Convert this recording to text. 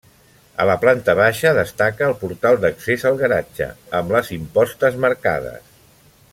A la planta baixa destaca el portal d'accés al garatge, amb les impostes marcades.